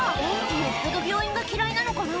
よっぽど病院が嫌いなのかな？